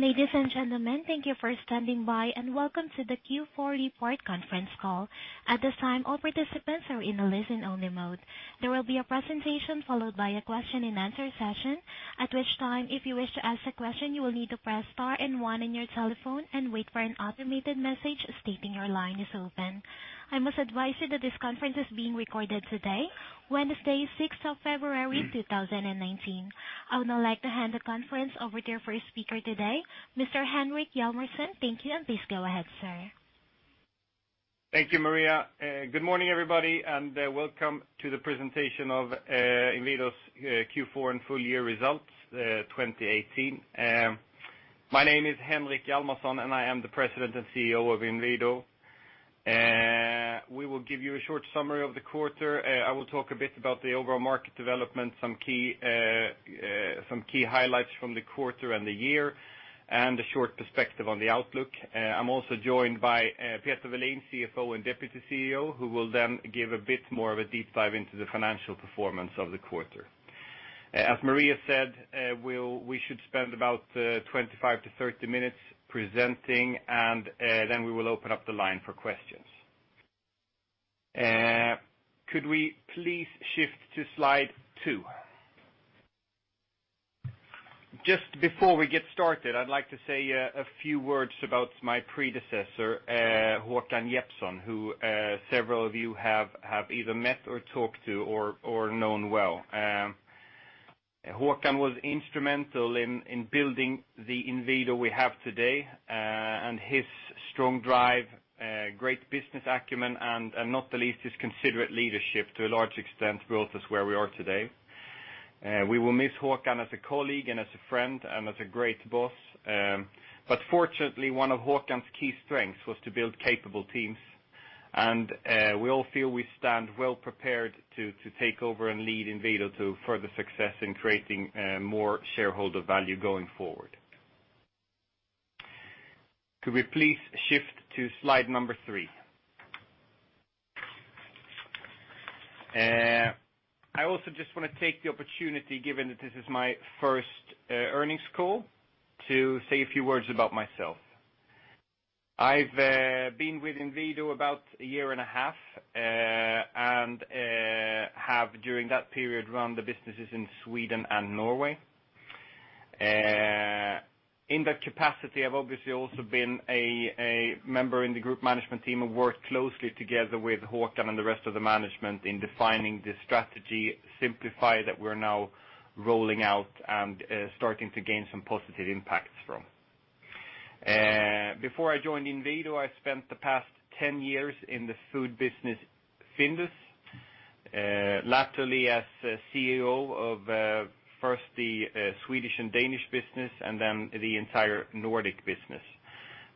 Ladies and gentlemen, thank you for standing by, and welcome to the Q4 report conference call. At this time, all participants are in a listen-only mode. There will be a presentation followed by a question and answer session. At which time, if you wish to ask a question, you will need to press Star and 1 on your telephone and wait for an automated message stating your line is open. I must advise you that this conference is being recorded today, Wednesday, 6th of February 2019. I would now like to hand the conference over to our first speaker today, Mr. Henrik Hjalmarsson. Thank you. Please go ahead, sir. Thank you, Maria. Good morning, everybody, and welcome to the presentation of Inwido's Q4 and full year results, 2018. My name is Henrik Hjalmarsson, and I am the President and CEO of Inwido. We will give you a short summary of the quarter. I will talk a bit about the overall market development, some key highlights from the quarter and the year, and a short perspective on the outlook. I am also joined by Peter Welin, CFO and Deputy CEO, who will then give a bit more of a deep dive into the financial performance of the quarter. As Maria said, we should spend about 25-30 minutes presenting. Then we will open up the line for questions. Could we please shift to slide two? Just before we get started, I'd like to say a few words about my predecessor, Håkan Jeppsson, who several of you have either met or talked to or known well. Håkan was instrumental in building the Inwido we have today. His strong drive, great business acumen, and not the least, his considerate leadership to a large extent brought us where we are today. We will miss Håkan as a colleague and as a friend and as a great boss. Fortunately, one of Håkan's key strengths was to build capable teams. We all feel we stand well prepared to take over and lead Inwido to further success in creating more shareholder value going forward. Could we please shift to slide number three? I also just want to take the opportunity, given that this is my first earnings call, to say a few words about myself. I've been with Inwido about a year and a half, and have during that period run the businesses in Sweden and Norway. In that capacity, I've obviously also been a member in the group management team and worked closely together with Håkan and the rest of the management in defining the strategy Simplify that we're now rolling out and starting to gain some positive impacts from. Before I joined Inwido, I spent the past 10 years in the food business Findus, latterly as CEO of first the Swedish and Danish business and then the entire Nordic business.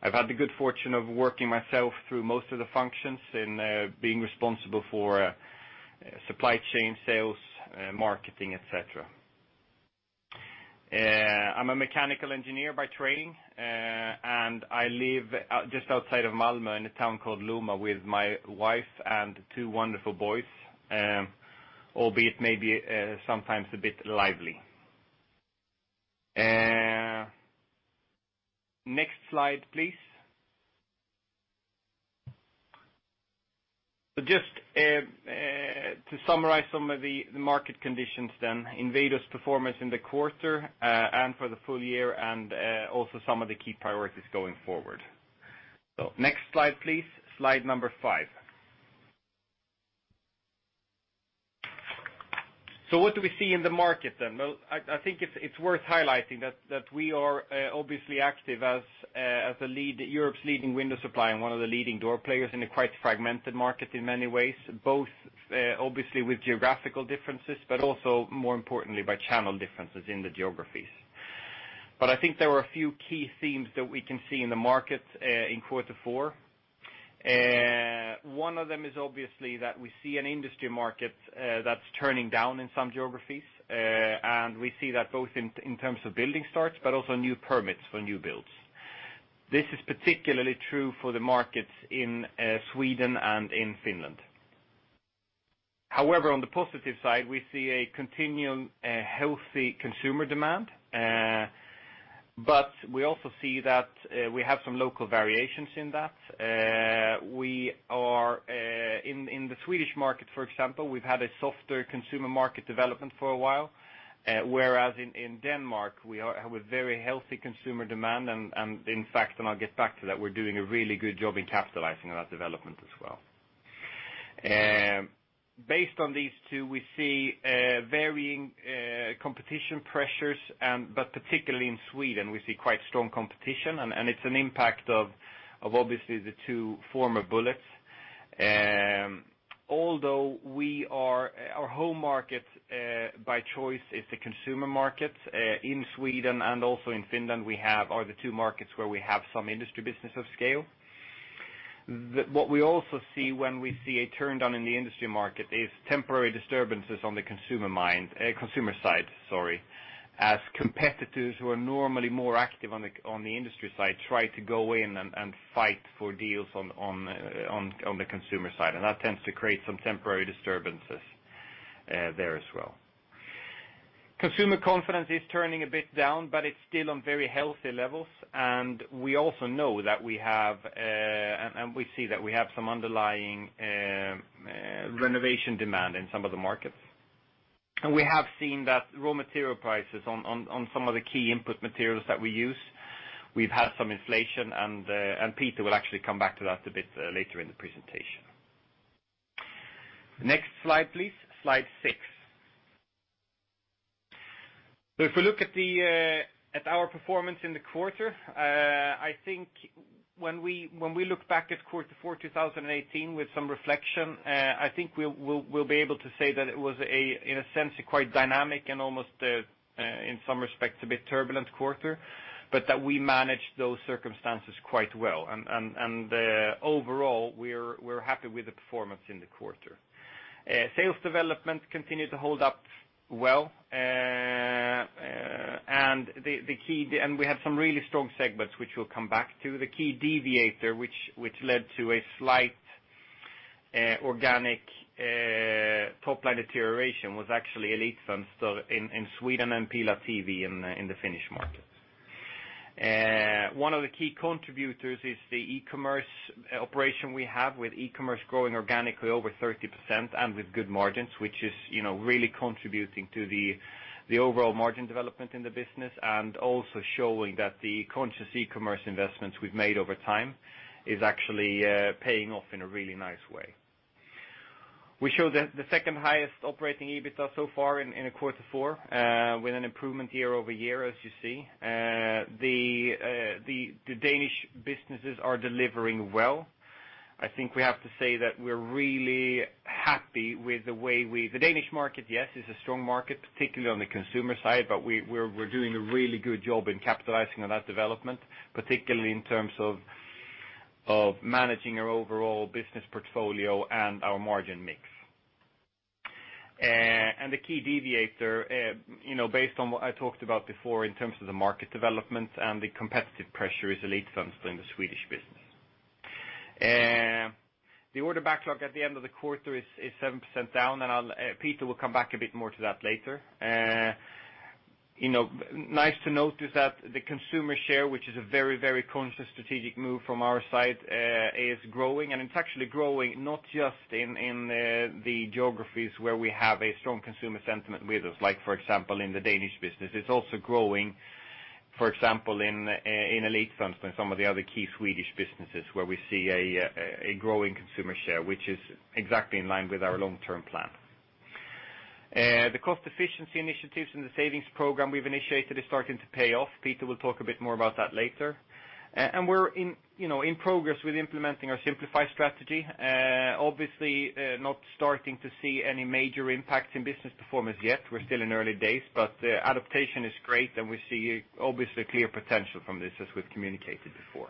I've had the good fortune of working myself through most of the functions and being responsible for supply chain sales, marketing, et cetera. I'm a mechanical engineer by training, and I live just outside of Malmö in a town called Lomma with my wife and two wonderful boys, albeit maybe sometimes a bit lively. Next slide, please. Just to summarize some of the market conditions then, Inwido's performance in the quarter, and for the full year, and also some of the key priorities going forward. Next slide, please. Slide number five. What do we see in the market then? Well, I think it's worth highlighting that we are obviously active as Europe's leading window supplier and one of the leading door players in a quite fragmented market in many ways, both obviously with geographical differences, but also more importantly by channel differences in the geographies. I think there were a few key themes that we can see in the market in quarter four. One of them is obviously that we see an industry market that's turning down in some geographies. We see that both in terms of building starts, but also new permits for new builds. This is particularly true for the markets in Sweden and in Finland. However, on the positive side, we see a continuing healthy consumer demand. We also see that we have some local variations in that. In the Swedish market, for example, we've had a softer consumer market development for a while, whereas in Denmark, we have a very healthy consumer demand. In fact, and I'll get back to that, we're doing a really good job in capitalizing on that development as well. Based on these two, we see varying competition pressures, particularly in Sweden, we see quite strong competition, and it's an impact of obviously the two former bullets. Although our home market by choice is the consumer market in Sweden and also in Finland are the two markets where we have some industry business of scale. What we also see when we see a turndown in the industry market is temporary disturbances on the consumer side, as competitors who are normally more active on the industry side try to go in and fight for deals on the consumer side, and that tends to create some temporary disturbances there as well. Consumer confidence is turning a bit down, but it's still on very healthy levels. We also know and we see that we have some underlying renovation demand in some of the markets. We have seen that raw material prices on some of the key input materials that we use, we've had some inflation, and Peter will actually come back to that a bit later in the presentation. Next slide, please. Slide six. If we look at our performance in the quarter, I think when we look back at quarter four 2018 with some reflection, I think we'll be able to say that it was, in a sense, a quite dynamic and almost, in some respects, a bit turbulent quarter, but that we managed those circumstances quite well. Overall, we're happy with the performance in the quarter. Sales development continued to hold up well, and we had some really strong segments, which we'll come back to. The key deviator, which led to a slight organic top-line deterioration, was actually Elitfönster in Sweden and Pihlavan Ikkuna in the Finnish market. One of the key contributors is the e-commerce operation we have with e-commerce growing organically over 30% and with good margins, which is really contributing to the overall margin development in the business and also showing that the conscious e-commerce investments we've made over time is actually paying off in a really nice way. We showed the second highest operating EBITDA so far in a quarter four with an improvement year-over-year, as you see. The Danish businesses are delivering well. I think we have to say that we're really happy with the way The Danish market, yes, is a strong market, particularly on the consumer side, but we're doing a really good job in capitalizing on that development, particularly in terms of managing our overall business portfolio and our margin mix. The key deviator, based on what I talked about before in terms of the market development and the competitive pressure is Elitfönster in the Swedish business. The order backlog at the end of the quarter is 7% down, and Peter will come back a bit more to that later. Nice to note is that the consumer share, which is a very conscious strategic move from our side is growing. It's actually growing not just in the geographies where we have a strong consumer sentiment with us, like for example, in the Danish business. It's also growing, for example, in Elitfönster and some of the other key Swedish businesses, where we see a growing consumer share, which is exactly in line with our long-term plan. The cost efficiency initiatives and the savings program we've initiated is starting to pay off. Peter will talk a bit more about that later. We're in progress with implementing our Simplify strategy. Obviously, not starting to see any major impacts in business performance yet. We're still in the early days, but adaptation is great, and we see obviously a clear potential from this as we've communicated before.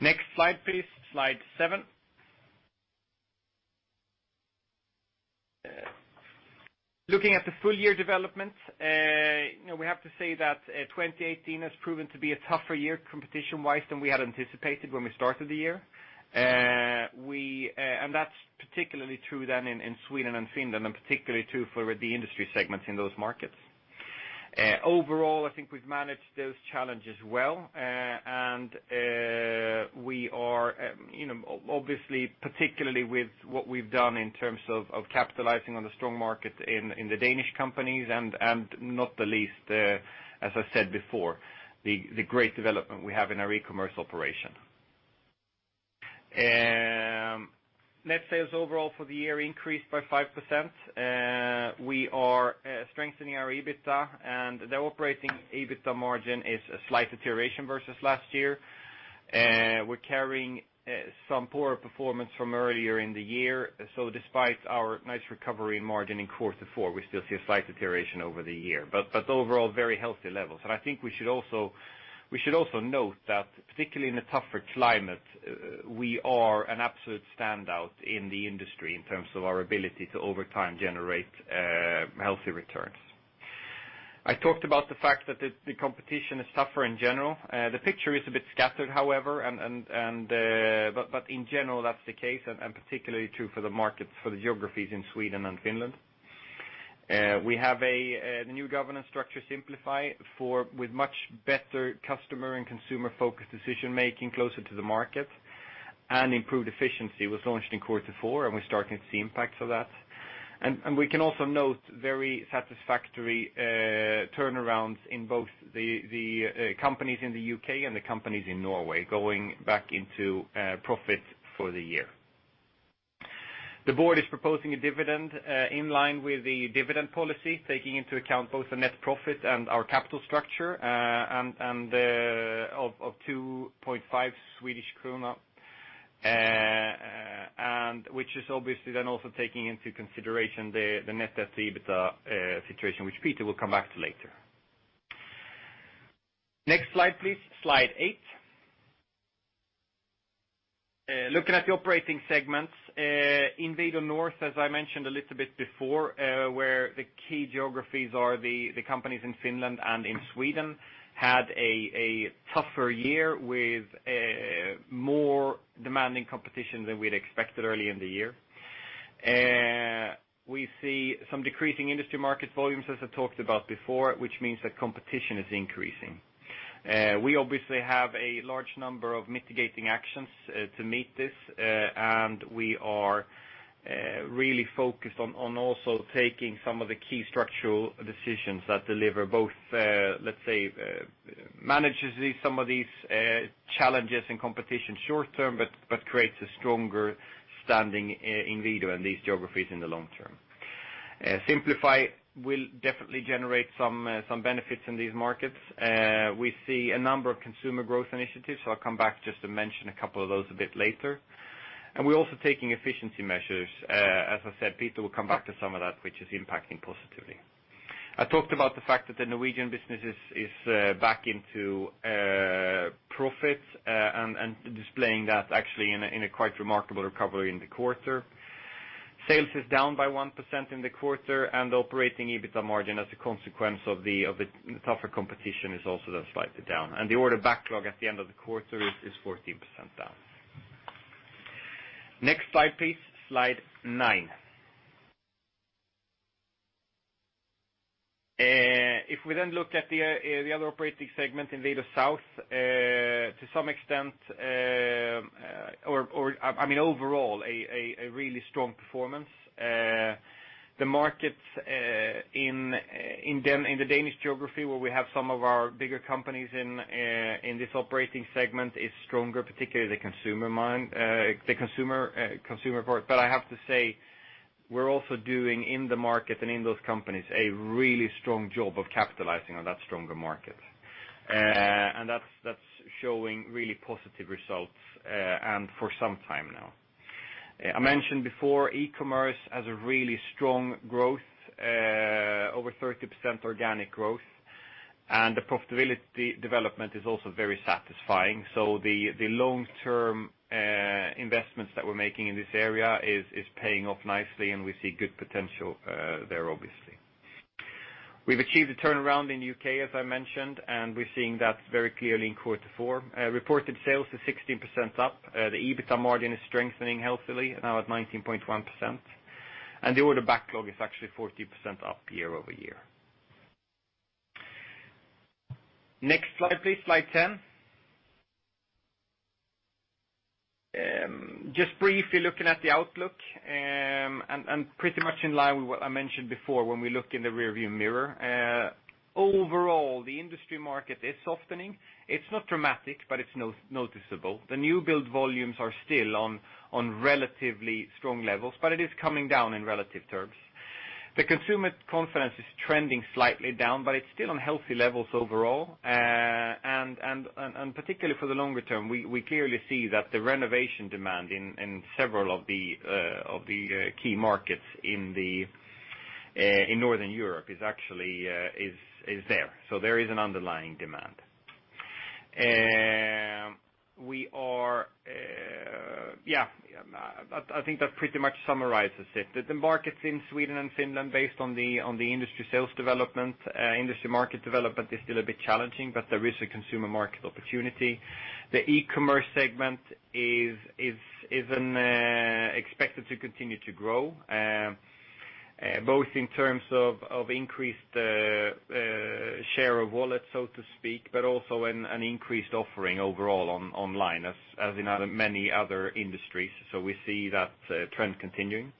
Next slide, please. Slide seven. Looking at the full-year development, we have to say that 2018 has proven to be a tougher year competition-wise than we had anticipated when we started the year. That's particularly true then in Sweden and Finland, and particularly too for the industry segments in those markets. Overall, I think we've managed those challenges well, and we are obviously, particularly with what we've done in terms of capitalizing on the strong market in the Danish companies and not the least, as I said before, the great development we have in our e-commerce operation. Net sales overall for the year increased by 5%. We are strengthening our EBITDA, the operating EBITDA margin is a slight deterioration versus last year. We're carrying some poor performance from earlier in the year. Despite our nice recovery in margin in quarter four, we still see a slight deterioration over the year. Overall, very healthy levels. I think we should also note that particularly in a tougher climate, we are an absolute standout in the industry in terms of our ability to over time generate healthy returns. I talked about the fact that the competition is tougher in general. The picture is a bit scattered, however, but in general, that's the case, and particularly true for the markets, for the geographies in Sweden and Finland. We have the new governance structure Simplify with much better customer and consumer-focused decision-making closer to the market and improved efficiency was launched in quarter four, we're starting to see impacts of that. We can also note very satisfactory turnarounds in both the companies in the U.K. and the companies in Norway going back into profit for the year. The board is proposing a dividend in line with the dividend policy, taking into account both the net profit and our capital structure of 2.5 Swedish krona, which is obviously then also taking into consideration the net debt to EBITDA situation, which Peter will come back to later. Next slide, please. Slide eight. Looking at the operating segments. Inwido North, as I mentioned a little bit before, where the key geographies are the companies in Finland and in Sweden, had a tougher year with a more demanding competition than we'd expected early in the year. We see some decreasing industry market volumes as I talked about before, which means that competition is increasing. We obviously have a large number of mitigating actions to meet this, and we are really focused on also taking some of the key structural decisions that deliver both, let's say, manages some of these challenges in competition short term, but creates a stronger standing in leader in these geographies in the long term. Simplify will definitely generate some benefits in these markets. We see a number of consumer growth initiatives. I'll come back just to mention a couple of those a bit later. We're also taking efficiency measures. As I said, Peter will come back to some of that, which is impacting positively. I talked about the fact that the Norwegian business is back into profits, and displaying that actually in a quite remarkable recovery in the quarter. Sales is down by 1% in the quarter, operating EBITDA margin as a consequence of the tougher competition is also down slightly down. The order backlog at the end of the quarter is 14% down. Next slide, please. Slide nine. Looking at the other operating segment Inwido South, to some extent or overall, a really strong performance. The markets in the Danish geography where we have some of our bigger companies in this operating segment is stronger, particularly the consumer part. I have to say, we're also doing in the market and in those companies a really strong job of capitalizing on that stronger market. That's showing really positive results, and for some time now. I mentioned before, e-commerce has a really strong growth, over 30% organic growth, and the profitability development is also very satisfying. The long-term investments that we're making in this area is paying off nicely, and we see good potential there, obviously. We've achieved a turnaround in U.K., as I mentioned, and we're seeing that very clearly in quarter four. Reported sales is 16% up. The EBITDA margin is strengthening healthily, now at 19.1%. The order backlog is actually 14% up year-over-year. Next slide, please. Slide 10. Just briefly looking at the outlook, pretty much in line with what I mentioned before when we look in the rearview mirror. Overall, the industry market is softening. It's not dramatic, but it's noticeable. The new build volumes are still on relatively strong levels, but it is coming down in relative terms. The consumer confidence is trending slightly down, but it's still on healthy levels overall. Particularly for the longer term, we clearly see that the renovation demand in several of the key markets in Northern Europe is actually there. There is an underlying demand. I think that pretty much summarizes it. The markets in Sweden and Finland, based on the industry sales development, industry market development is still a bit challenging, but there is a consumer market opportunity. The e-commerce segment is expected to continue to grow, both in terms of increased share of wallet, so to speak, but also an increased offering overall online, as in many other industries. We see that trend continuing.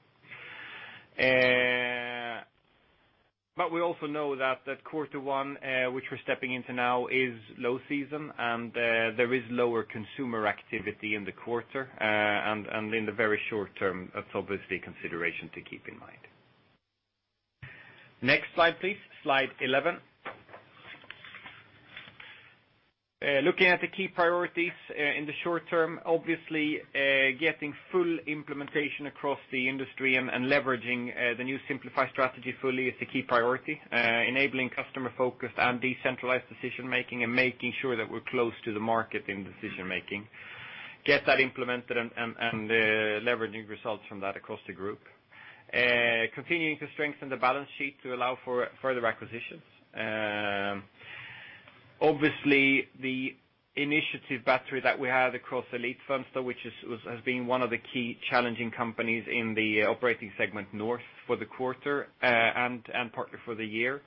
We also know that quarter one, which we're stepping into now, is low season, and there is lower consumer activity in the quarter. In the very short term, that's obviously a consideration to keep in mind. Next slide, please. Slide 11. Looking at the key priorities in the short term, obviously, getting full implementation across the industry and leveraging the new Simplify strategy fully is the key priority, enabling customer-focused and decentralized decision-making and making sure that we're close to the market in decision-making. Get that implemented and leveraging results from that across the group. Continuing to strengthen the balance sheet to allow for further acquisitions. Obviously, the initiative battery that we have across Elitfönster, which has been one of the key challenging companies in the operating segment North for the quarter and partly for the year,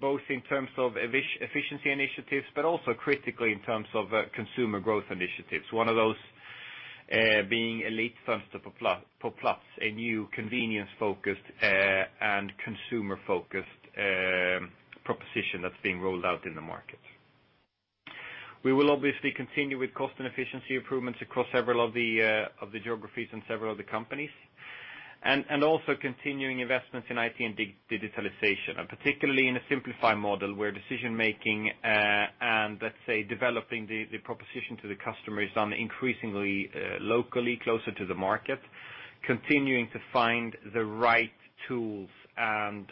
both in terms of efficiency initiatives, but also critically in terms of consumer growth initiatives. One of those being Elitfönster På Plats, a new convenience-focused and consumer-focused proposition that's being rolled out in the market. We will obviously continue with cost and efficiency improvements across several of the geographies and several of the companies. Also continuing investments in IT and digitalization, and particularly in a Simplify model where decision-making and let's say developing the proposition to the customer is done increasingly locally, closer to the market. Continuing to find the right tools and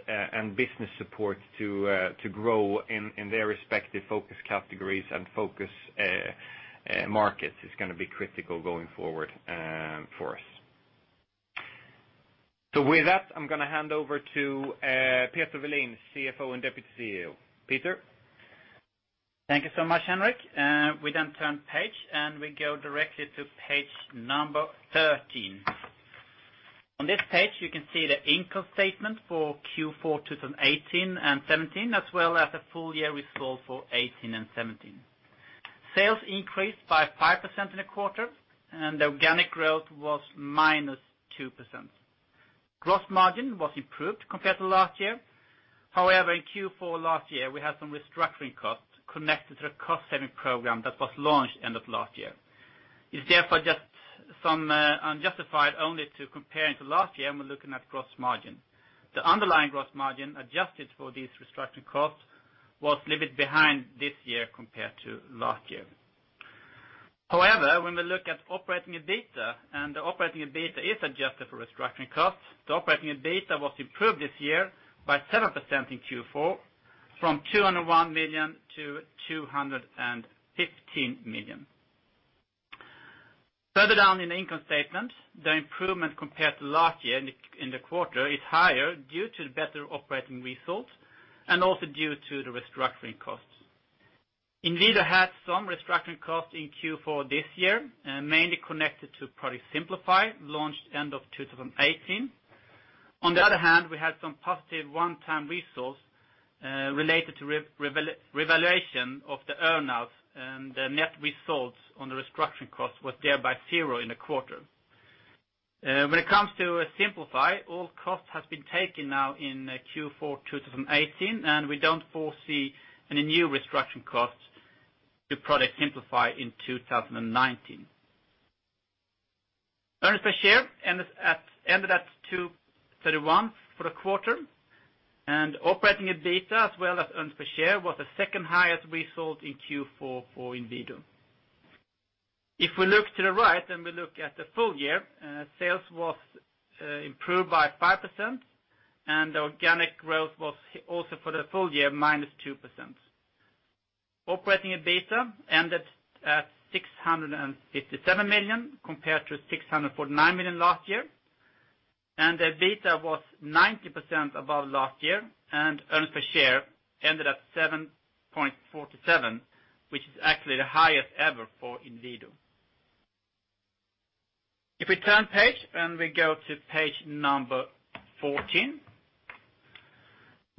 business support to grow in their respective focus categories and focus markets is going to be critical going forward for us. With that, I'm going to hand over to Peter Welin, CFO and Deputy CEO. Peter? Thank you so much, Henrik. We turn page, and we go directly to page 13. On this page, you can see the income statement for Q4, 2018 and 2017, as well as the full year results for 2018 and 2017. Sales increased by 5% in the quarter, and the organic growth was -2%. Gross margin was improved compared to last year. However, in Q4 last year, we had some restructuring costs connected to the cost-saving program that was launched end of last year. It is therefore just some unjustified only to comparing to last year when we're looking at gross margin. The underlying gross margin adjusted for these restructuring costs was a little bit behind this year compared to last year. When we look at operating EBITDA, and the operating EBITDA is adjusted for restructuring costs, the operating EBITDA was improved this year by 7% in Q4 from 201 million to 215 million. Further down in the income statement, the improvement compared to last year in the quarter is higher due to the better operating results and also due to the restructuring costs. Inwido had some restructuring costs in Q4 this year, mainly connected to Project Simplify, launched end of 2018. On the other hand, we had some positive one-time results related to revaluation of the earnouts, and the net results on the restructuring costs was thereby zero in the quarter. When it comes to Simplify, all costs have been taken now in Q4 2018, and we don't foresee any new restructuring costs to Project Simplify in 2019. Earnings per share ended at 2.31 for the quarter, and operating EBITDA, as well as earnings per share, was the second highest result in Q4 for Inwido. We look to the right and we look at the full year, sales was improved by 5%, and organic growth was also for the full year, -2%. Operating EBITDA ended at 657 million compared to 649 million last year, and the EBITDA was 90% above last year, and earnings per share ended at 7.47, which is actually the highest ever for Inwido. We turn page and we go to page 14,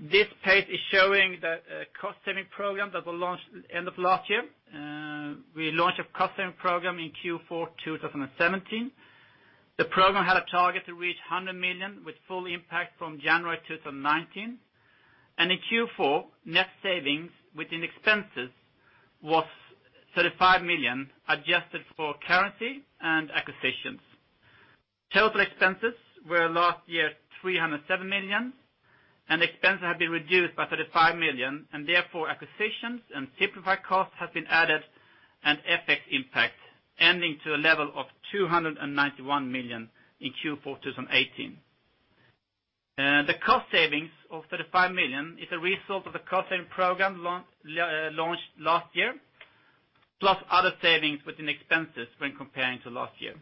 this page is showing the cost-saving program that were launched end of last year. We launched a cost-saving program in Q4 2017. The program had a target to reach 100 million with full impact from January 2019. In Q4, net savings within expenses was 35 million, adjusted for currency and acquisitions. Total expenses were last year 307 million, and expenses have been reduced by 35 million, and therefore acquisitions and Simplify costs have been added, and FX impact ending to a level of 291 million in Q4 2018. The cost savings of 35 million is a result of the cost-saving program launched last year, plus other savings within expenses when comparing to last year.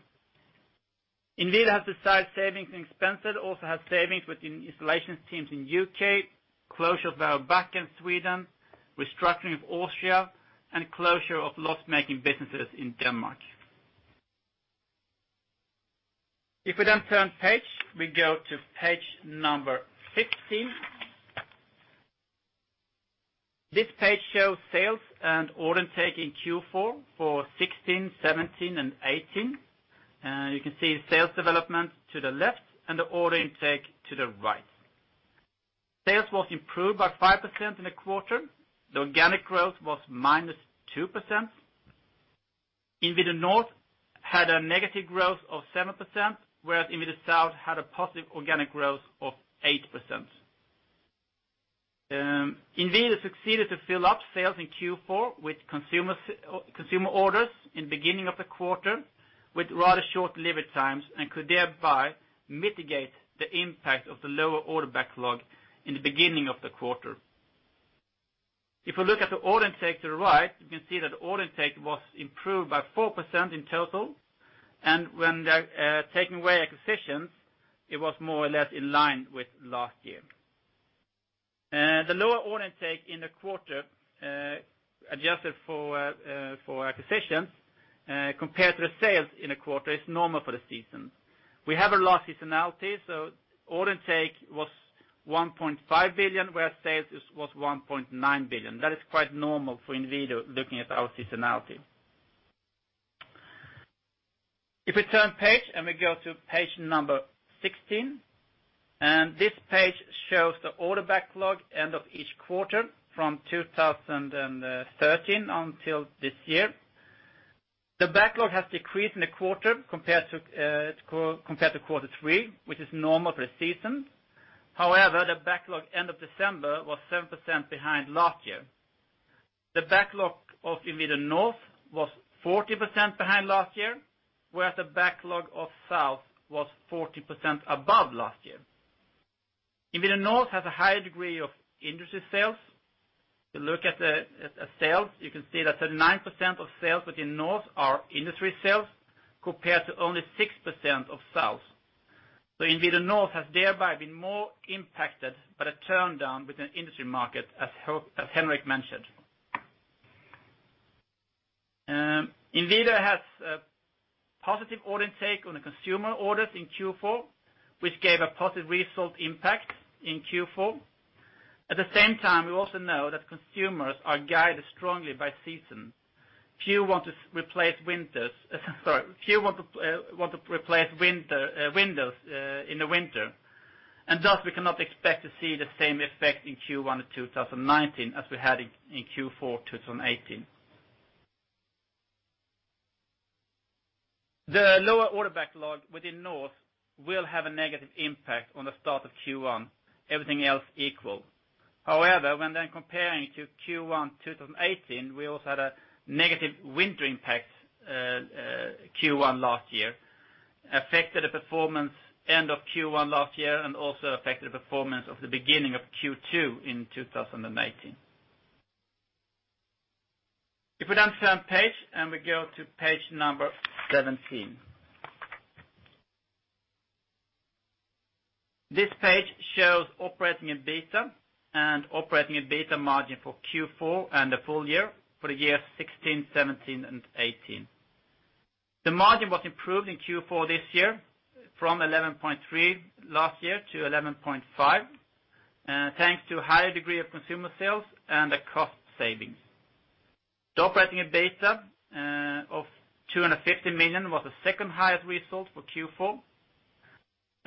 Inwido has decided savings in expenses, also has savings within installations teams in U.K., closure of our back-end Sweden, restructuring of Austria, and closure of loss-making businesses in Denmark. We turn page, we go to page 15. This page shows sales and order intake in Q4 for 2016, 2017, and 2018. You can see sales development to the left and the order intake to the right. Sales was improved by 5% in the quarter. The organic growth was -2%. Inwido North had a negative growth of 7%, whereas Inwido South had a positive organic growth of 8%. Inwido succeeded to fill up sales in Q4 with consumer orders in beginning of the quarter with rather short delivery times and could thereby mitigate the impact of the lower order backlog in the beginning of the quarter. If we look at the order intake to the right, you can see that order intake was improved by 4% in total. When taking away acquisitions, it was more or less in line with last year. The lower order intake in the quarter, adjusted for acquisitions compared to the sales in a quarter, is normal for the season. We have a low seasonality, so order intake was 1.5 billion, where sales was 1.9 billion. That is quite normal for Inwido looking at our seasonality. If we turn page and we go to page number 16, this page shows the order backlog end of each quarter from 2013 until this year. The backlog has decreased in the quarter compared to Q3, which is normal for the season. However, the backlog end of December was 7% behind last year. The backlog of Inwido North was 40% behind last year, whereas the backlog of Inwido South was 40% above last year. Inwido North has a higher degree of industry sales. If you look at sales, you can see that 39% of sales within North are industry sales, compared to only 6% of Inwido South. Inwido North has thereby been more impacted by the turn down within industry market, as Henrik mentioned. Inwido has a positive order intake on the consumer orders in Q4, which gave a positive result impact in Q4. At the same time, we also know that consumers are guided strongly by season. Few want to replace windows in the winter, thus we cannot expect to see the same effect in Q1 2019 as we had in Q4 2018. The lower order backlog within North will have a negative impact on the start of Q1, everything else equal. However, when comparing to Q1 2018, we also had a negative winter impact, Q1 last year, affected the performance end of Q1 last year and also affected the performance of the beginning of Q2 in 2018. If we turn page and we go to page number 17. This page shows operating EBITDA and operating EBITDA margin for Q4 and the full year for the year 2016, 2017, and 2018. The margin was improved in Q4 this year from 11.3% last year to 11.5%, thanks to higher degree of consumer sales and the cost savings. The operating EBITDA of 215 million was the second highest result for Q4.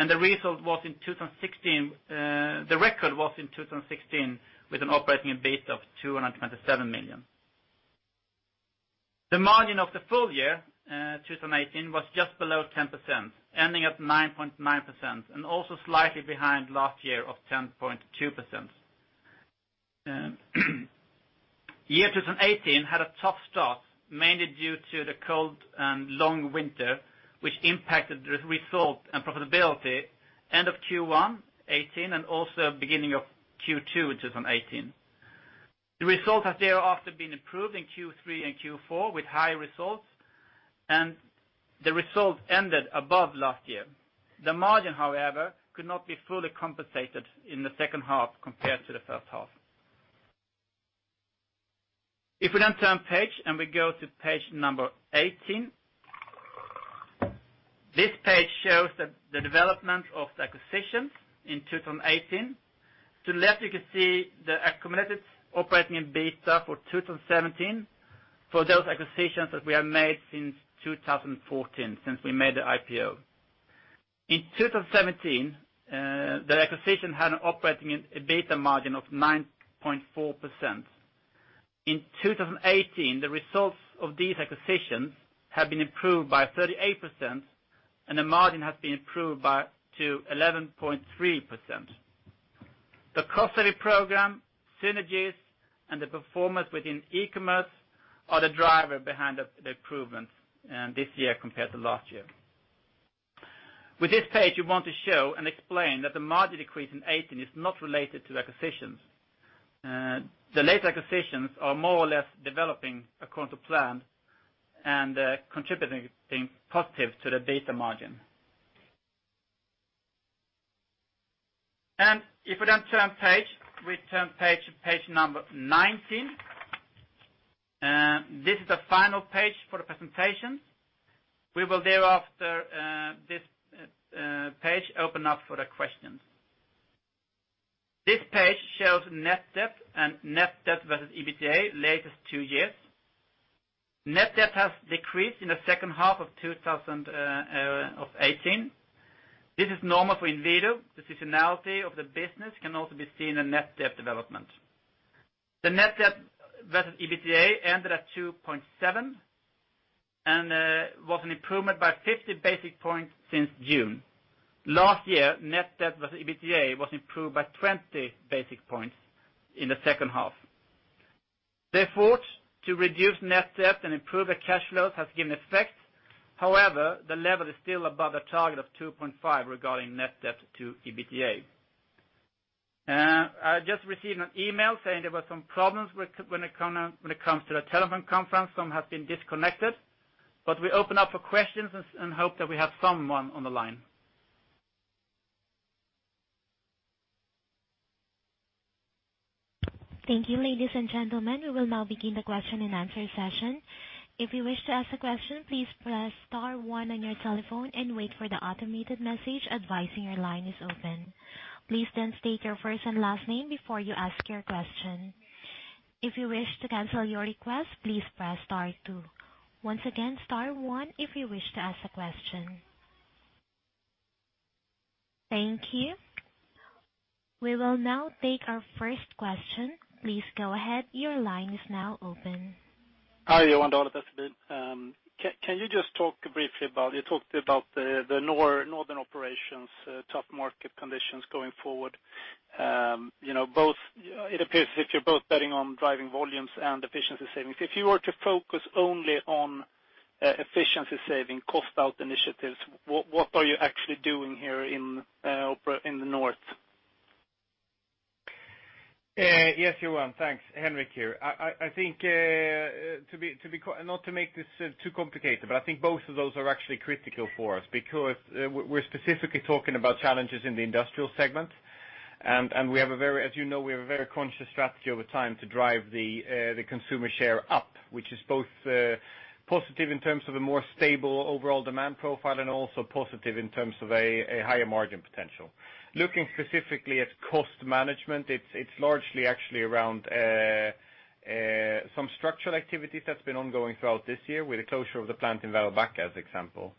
The record was in 2016, with an operating EBITDA of 227 million. The margin of the full year 2018 was just below 10%, ending at 9.9%, and also slightly behind last year of 10.2%. Year 2018 had a tough start, mainly due to the cold and long winter, which impacted the result and profitability end of Q1 2018, and also beginning of Q2 in 2018. The results have thereafter been improved in Q3 and Q4 with high results, the results ended above last year. The margin, however, could not be fully compensated in the second half compared to the first half. We turn page and we go to page 18. This page shows the development of the acquisitions in 2018. To the left, you can see the accumulated operating EBITDA for 2017, for those acquisitions that we have made since 2014, since we made the IPO. In 2017, the acquisition had an operating EBITDA margin of 9.4%. In 2018, the results of these acquisitions have been improved by 38%, and the margin has been improved to 11.3%. The cost-saving program, synergies, and the performance within e-commerce are the driver behind the improvements this year compared to last year. With this page, we want to show and explain that the margin decrease in 2018 is not related to the acquisitions. The late acquisitions are more or less developing according to plan and contributing positive to the EBITDA margin. We turn page, we turn page to page 19. This is the final page for the presentation. We will thereafter this page open up for the questions. This page shows net debt and net debt versus EBITDA, latest two years. Net debt has decreased in the second half of 2018. This is normal for Inwido. The seasonality of the business can also be seen in net debt development. The net debt versus EBITDA ended at 2.7 and was an improvement by 50 basic points since June. Last year, net debt versus EBITDA was improved by 20 basic points in the second half. The effort to reduce net debt and improve the cash flows has given effect. However, the level is still above the target of 2.5 regarding net debt to EBITDA. I just received an email saying there were some problems when it comes to the telephone conference, some have been disconnected. We open up for questions and hope that we have someone on the line. Thank you, ladies and gentlemen. We will now begin the question and answer session. If you wish to ask a question, please press star one on your telephone and wait for the automated message advising your line is open. Please then state your first and last name before you ask your question. If you wish to cancel your request, please press star two. Once again, star one if you wish to ask a question. Thank you. We will now take our first question. Please go ahead. Your line is now open. Hi, Johan. Can you just talk briefly about the Northern operations, tough market conditions going forward? It appears if you're both betting on driving volumes and efficiency savings. If you were to focus only on efficiency saving, cost out initiatives, what are you actually doing here in the north? Yes, Johan. Thanks. Henrik here. Not to make this too complicated, but I think both of those are actually critical for us because we're specifically talking about challenges in the industrial segment, and as you know, we have a very conscious strategy over time to drive the consumer share up, which is both positive in terms of a more stable overall demand profile and also positive in terms of a higher margin potential. Looking specifically at cost management, it's largely actually around some structural activities that's been ongoing throughout this year with the closure of the plant in Välbacka, as example.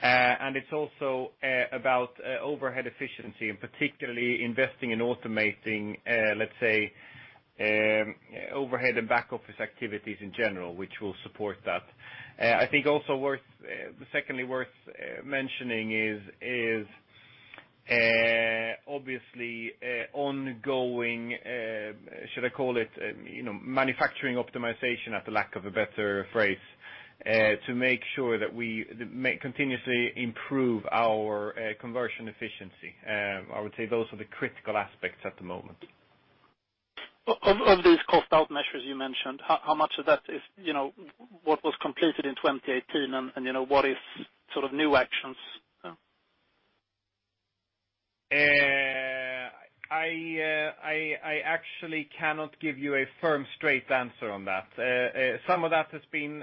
It's also about overhead efficiency and particularly investing in automating, let's say, overhead and back-office activities in general, which will support that. I think also secondly worth mentioning is obviously ongoing, should I call it, manufacturing optimization, at the lack of a better phrase, to make sure that we continuously improve our conversion efficiency. I would say those are the critical aspects at the moment. Of these cost out measures you mentioned, how much of that is what was completed in 2018 and what is new actions? I actually cannot give you a firm straight answer on that. Some of that's been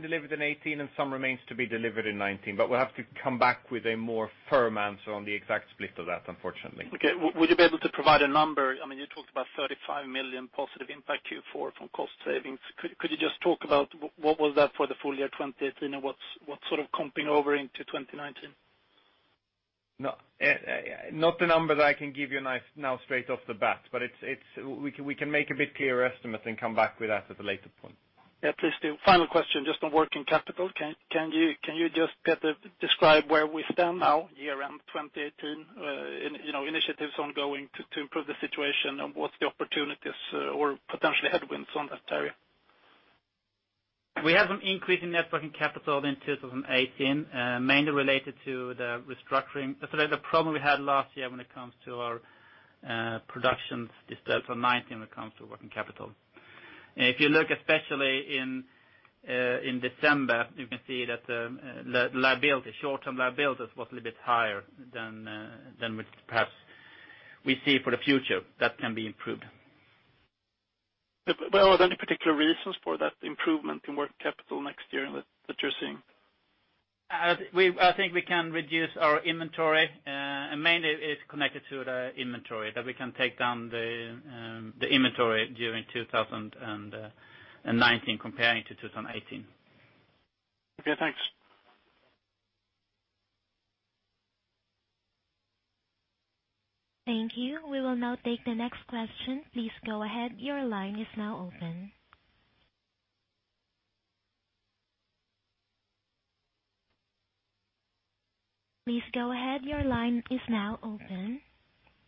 delivered in 2018 and some remains to be delivered in 2019. We'll have to come back with a more firm answer on the exact split of that, unfortunately. Okay. Would you be able to provide a number? You talked about 35 million positive impact Q4 from cost savings. Could you just talk about what was that for the full year 2020 and what's comping over into 2019? Not a number that I can give you now straight off the bat. We can make a bit clearer estimate and come back with that at a later point. Yeah, please do. Final question, just on working capital. Can you just, Petter, describe where we stand now year-end 2018, initiatives ongoing to improve the situation, and what's the opportunities or potential headwinds on that area? We have an increase in net working capital in 2018, mainly related to the restructuring. The problem we had last year when it comes to our production disturbed for 2019 when it comes to working capital. If you look especially in December, you can see that the short-term liabilities was a little bit higher than what perhaps we see for the future. That can be improved. Are there any particular reasons for that improvement in working capital next year that you're seeing? I think we can reduce our inventory. Mainly it's connected to the inventory, that we can take down the inventory during 2019 comparing to 2018. Okay, thanks. Thank you. We will now take the next question. Please go ahead. Your line is now open. Please go ahead. Your line is now open.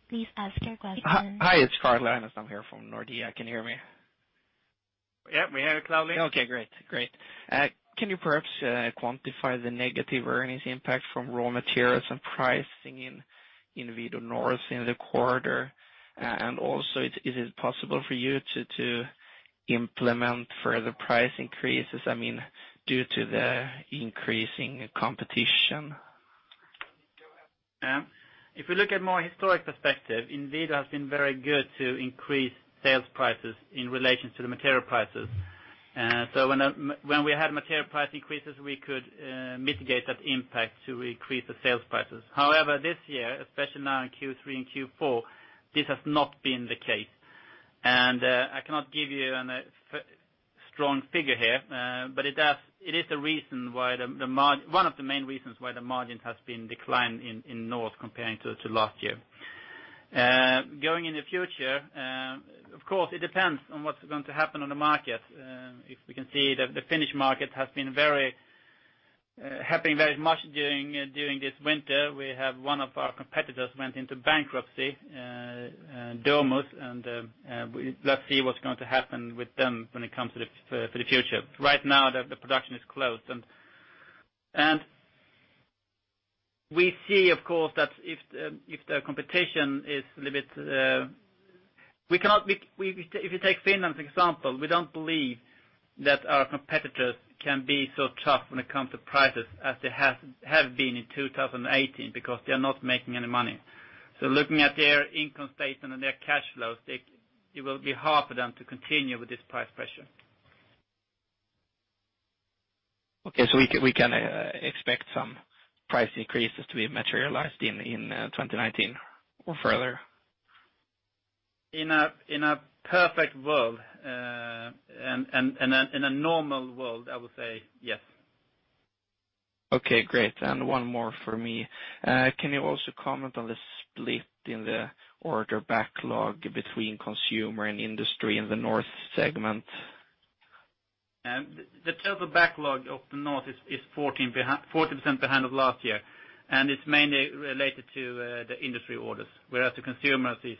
Please ask your question. Hi, it's Karl. I'm here from Nordea. Can you hear me? Yep, we hear you clearly. Okay, great. Can you perhaps quantify the negative earnings impact from raw materials and pricing in Inwido North in the quarter? Also, is it possible for you to implement further price increases due to the increasing competition? If we look at more historic perspective, Inwido has been very good to increase sales prices in relation to the material prices. When we had material price increases, we could mitigate that impact to increase the sales prices. However, this year, especially now in Q3 and Q4, this has not been the case. I cannot give you a strong figure here, but it is one of the main reasons why the margins has been declined in Inwido North comparing to last year. Going in the future, of course, it depends on what's going to happen on the market. One of our competitors went into bankruptcy, Domus, and let's see what's going to happen with them when it comes to the future. Right now, the production is closed. We see, of course, that if the competition is If you take Finland, for example, we don't believe that our competitors can be so tough when it comes to prices as they have been in 2018 because they are not making any money. Looking at their income statement and their cash flows, it will be hard for them to continue with this price pressure. We can expect some price increases to be materialized in 2019 or further? In a perfect world and in a normal world, I would say yes. Okay, great. One more from me. Can you also comment on the split in the order backlog between consumer and industry in the North segment? The total backlog of the North is 14% behind of last year, it's mainly related to the industry orders, whereas the consumers is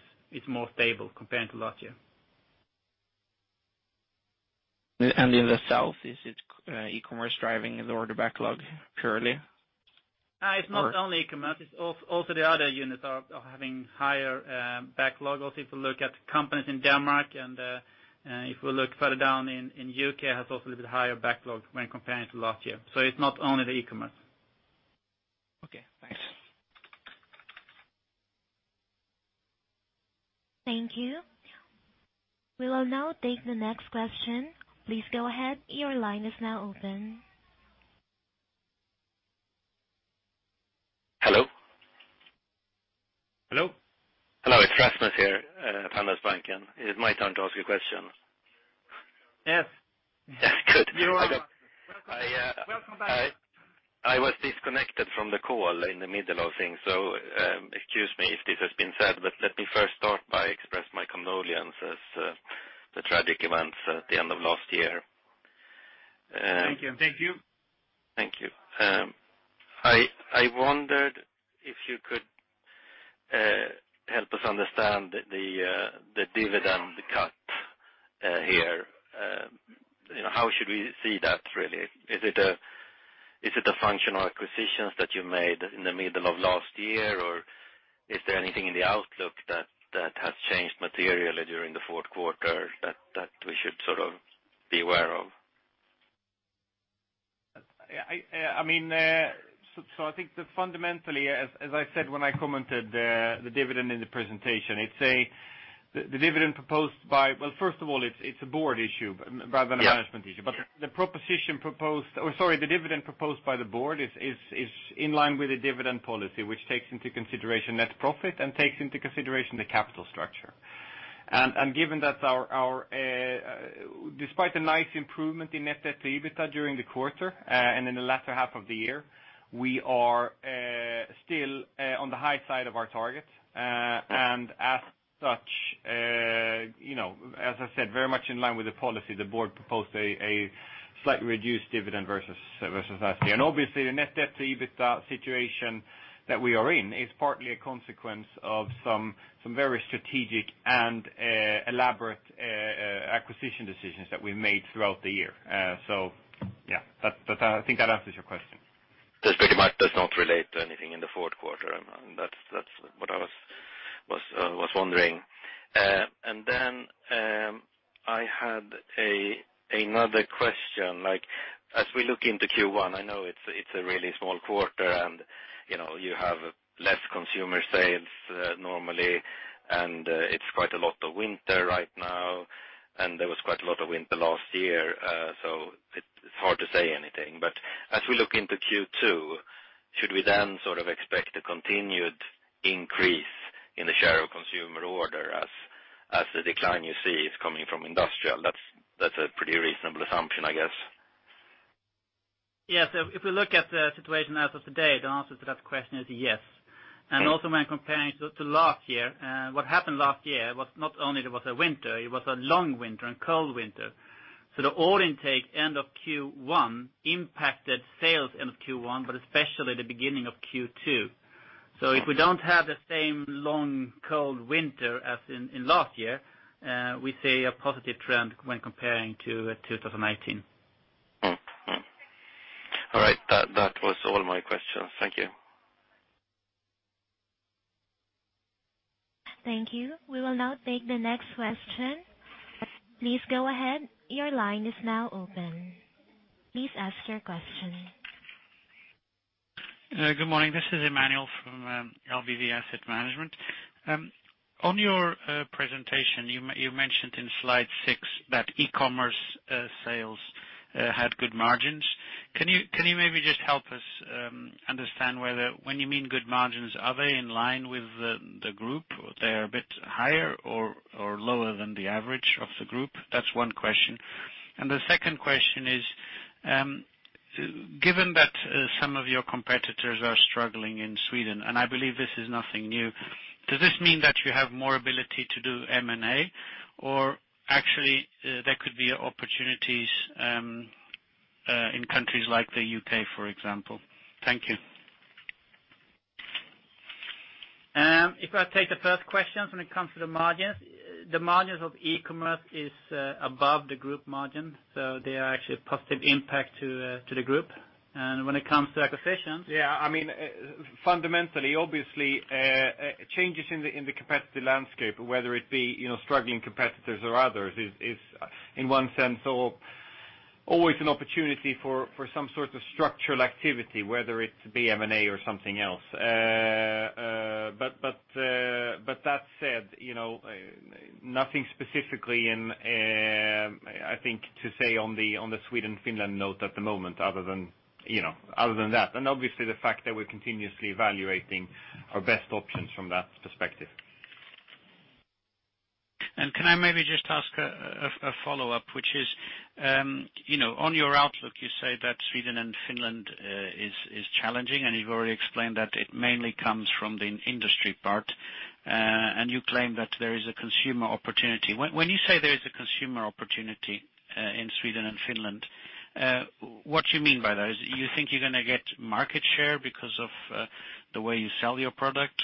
more stable compared to last year. In the South, is it e-commerce driving the order backlog purely? It's not only e-commerce, it's also the other units are having higher backlogs. If you look at companies in Denmark and if we look further down in U.K., has also a little bit higher backlog when comparing to last year. It's not only the e-commerce. Okay, thanks. Thank you. We will now take the next question. Please go ahead. Your line is now open. Hello? Hello. Hello. It's Rasmus here at Handelsbanken. It's my turn to ask you a question. Yes. Good. You are. Welcome back. I was disconnected from the call in the middle of things, excuse me if this has been said, let me first start by expressing my condolences for the tragic events at the end of last year. Thank you. Thank you. I wondered if you could help us understand the dividend cut here. How should we see that really? Is it a function of acquisitions that you made in the middle of last year, or is there anything in the outlook that has changed materially during the fourth quarter that we should sort of be aware of? I think fundamentally, as I said when I commented the dividend in the presentation, first of all, it's a board issue rather than a management issue. Yes. The dividend proposed by the board is in line with the dividend policy, which takes into consideration net profit and takes into consideration the capital structure. Given that despite the nice improvement in net debt to EBITDA during the quarter and in the latter half of the year, we are still on the high side of our target. As such, as I said, very much in line with the policy, the board proposed a slightly reduced dividend versus last year. Obviously the net debt to EBITDA situation that we are in is partly a consequence of some very strategic and elaborate acquisition decisions that we've made throughout the year. Yeah, I think that answers your question. That pretty much does not relate to anything in the fourth quarter. That's what I was wondering. Then I had another question. As we look into Q1, I know it's a really small quarter and you have less consumer sales normally and it's quite a lot of winter right now, and there was quite a lot of winter last year, so it's hard to say anything. As we look into Q2, should we then sort of expect a continued increase in the share of consumer order as the decline you see is coming from industrial? That's a pretty reasonable assumption, I guess. Yes. If we look at the situation as of today, the answer to that question is yes. Okay. Also when comparing to last year, what happened last year was not only there was a winter, it was a long winter and cold winter. The order intake end of Q1 impacted sales end of Q1, but especially the beginning of Q2. If we don't have the same long, cold winter as in last year, we see a positive trend when comparing to 2019. All right. That was all my questions. Thank you. Thank you. We will now take the next question. Please go ahead. Your line is now open. Please ask your question. Good morning. This is Emmanuel from LBV Asset Management. On your presentation, you mentioned in slide six that e-commerce sales had good margins. Can you maybe just help us understand whether when you mean good margins, are they in line with the group? They are a bit higher or lower than the average of the group? That's one question. The second question is, given that some of your competitors are struggling in Sweden, and I believe this is nothing new, does this mean that you have more ability to do M&A or actually there could be opportunities in countries like the U.K., for example? Thank you. If I take the first question when it comes to the margins, the margins of e-commerce is above the group margin, so they are actually a positive impact to the group. When it comes to acquisitions- Fundamentally, obviously, changes in the competitive landscape, whether it be struggling competitors or others, is in one sense always an opportunity for some sort of structural activity, whether it be M&A or something else. That said, nothing specifically I think to say on the Sweden-Finland note at the moment other than that, and obviously the fact that we're continuously evaluating our best options from that perspective. Can I maybe just ask a follow-up, which is, on your outlook, you say that Sweden and Finland is challenging, and you've already explained that it mainly comes from the industry part, and you claim that there is a consumer opportunity. When you say there is a consumer opportunity in Sweden and Finland, what do you mean by that? You think you're going to get market share because of the way you sell your product?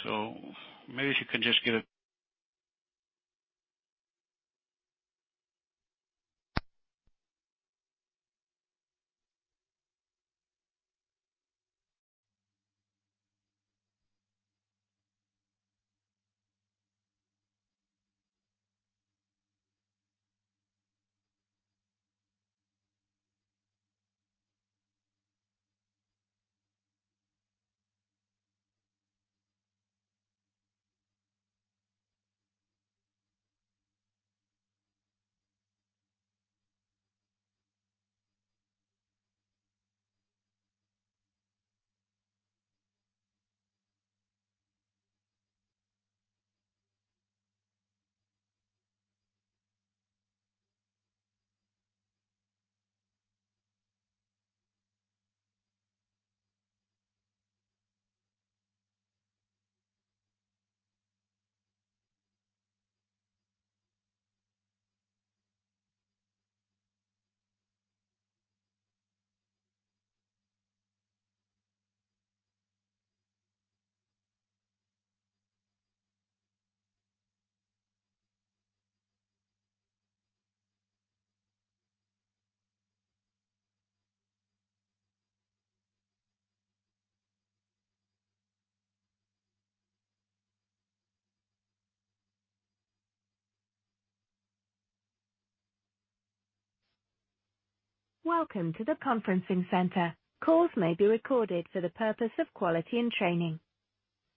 Welcome to the conferencing center. Calls may be recorded for the purpose of quality and training.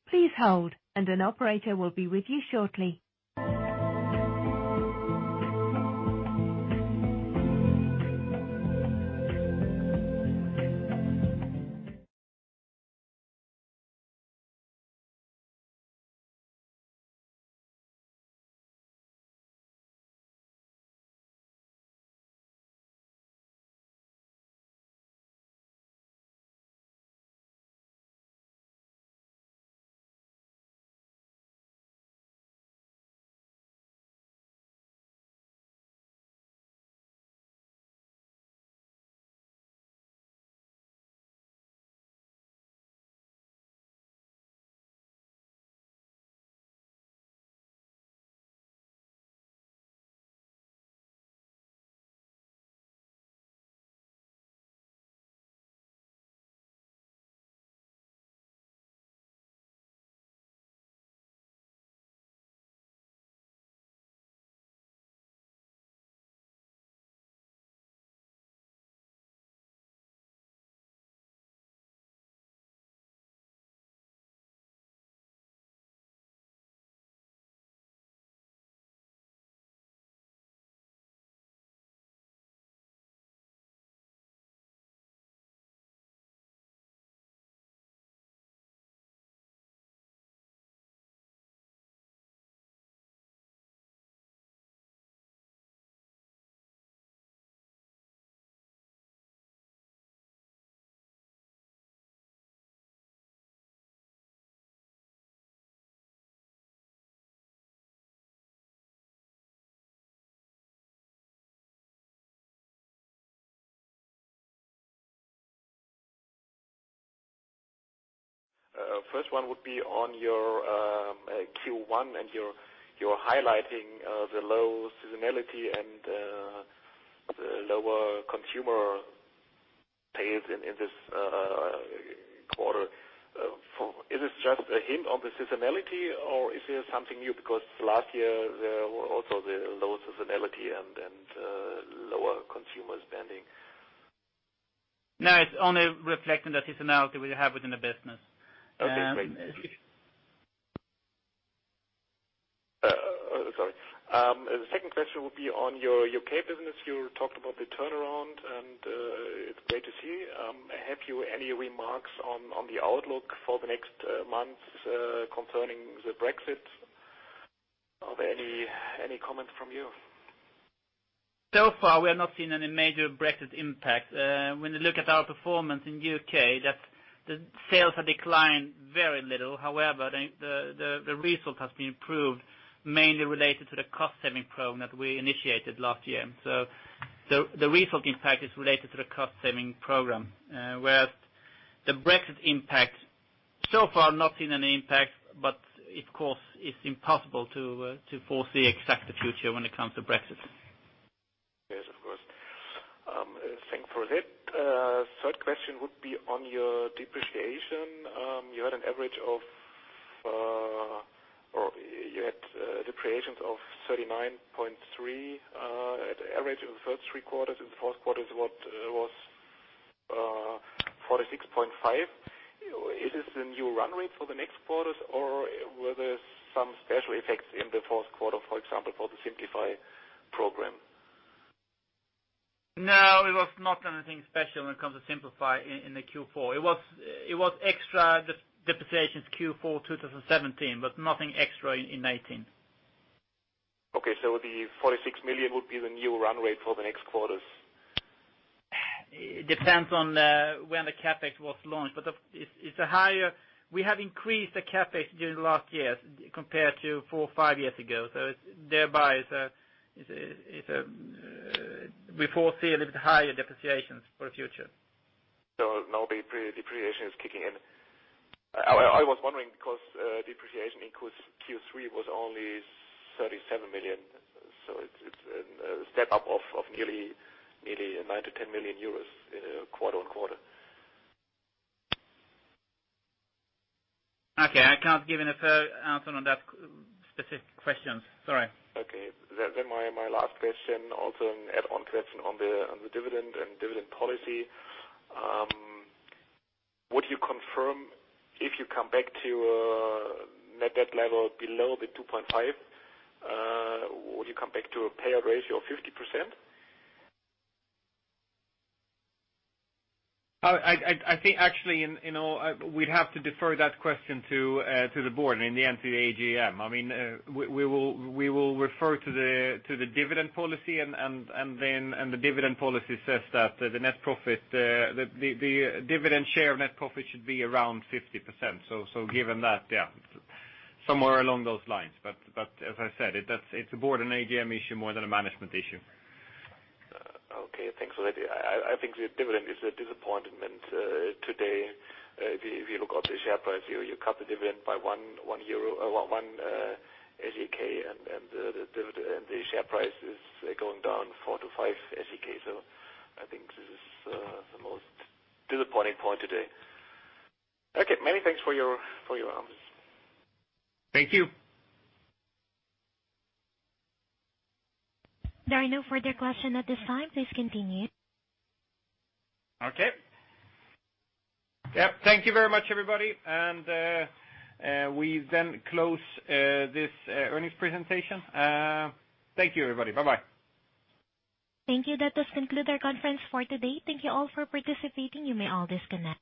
Please hold, and an operator will be with you shortly. First one would be on your Q1 and you're highlighting the low seasonality and the lower consumer pace in this quarter. Is this just a hint of the seasonality or is it something new? Last year, there were also the low seasonality and lower consumer spending. No, it's only reflecting the seasonality we have within the business. Okay, great. Sorry. The second question would be on your U.K. business. You talked about the turnaround, and it's great to see. Have you any remarks on the outlook for the next months concerning the Brexit? Are there any comments from you? Far, we have not seen any major Brexit impact. When you look at our performance in U.K., the sales have declined very little. However, the result has been improved, mainly related to the cost-saving program that we initiated last year. The result impact is related to the cost-saving program. Whereas the Brexit impact, far, not seen any impact, but of course, it's impossible to foresee exact the future when it comes to Brexit. Yes, of course. Thank you for that. Third question would be on your depreciation. You had a depreciation of 39.3 at average of the first three quarters, and the fourth quarter was 46.5. Is this the new run rate for the next quarters, or were there some special effects in the fourth quarter, for example, for the Simplify Program? No, it was not anything special when it comes to Simplify in the Q4. It was extra depreciation Q4 2017, but nothing extra in 2018. Okay. The 46 million would be the new run rate for the next quarters. It depends on when the CapEx was launched, we have increased the CapEx during the last year compared to four or five years ago. Thereby, we foresee a little bit higher depreciations for the future. Now the depreciation is kicking in. I was wondering because depreciation in Q3 was only 37 million, it's a step-up of nearly 9 million-10 million euros quarter-on-quarter. Okay. I can't give you a fair answer on that specific question. Sorry. Okay. My last question, also an add-on question on the dividend and dividend policy. Would you confirm if you come back to a net debt level below the 2.5, would you come back to a payout ratio of 50%? I think actually, we'd have to defer that question to the board and in the end, to the AGM. We will refer to the dividend policy, and the dividend policy says that the dividend share of net profit should be around 50%. Given that, yeah, somewhere along those lines. As I said, it's a board and AGM issue more than a management issue. Okay. Thanks a lot. I think the dividend is a disappointment today. If you look at the share price, you cut the dividend by SEK 1, and the share price is going down 4-5 SEK. I think this is the most disappointing point today. Okay, many thanks for your answers. Thank you. There are no further questions at this time. Please continue. Okay. Yep. Thank you very much, everybody. We then close this earnings presentation. Thank you, everybody. Bye-bye. Thank you. That does conclude our conference for today. Thank you all for participating. You may all disconnect.